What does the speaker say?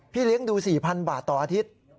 เลี้ยงดู๔๐๐๐บาทต่ออาทิตย์